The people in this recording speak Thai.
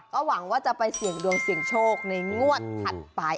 ก็หวังว่าจะไปเสี่ยงดวงเสี่ยงโชคในงวดถัดไป